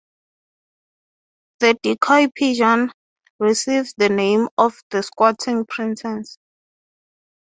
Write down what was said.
The decoy-pigeon receives the name of the Squatting Princess.